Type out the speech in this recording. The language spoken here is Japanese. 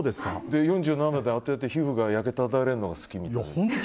４７で当てて皮膚が焼け爛れるのが好き？